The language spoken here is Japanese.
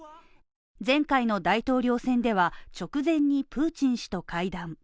前回の大統領選では直前にプーチン氏と会談。